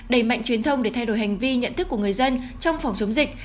đẩy mạnh truyền thông để thay đổi hành vi nhận thức của người dân trong phòng chống dịch